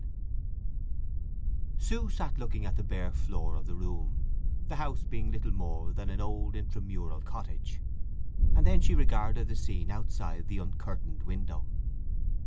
II Sue sat looking at the bare floor of the room, the house being little more than an old intramural cottage, and then she regarded the scene outside the uncurtained window.